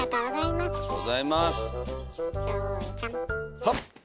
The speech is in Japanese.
はっ！